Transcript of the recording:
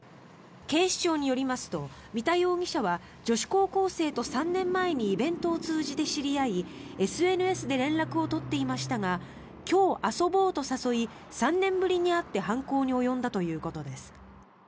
警視庁によりますと三田容疑者は女子高校生と３年前にイベントを通じて知り合いＳＮＳで連絡を取っていましたが今日遊ぼうと誘い３年ぶりに会って犯行に及んだということです。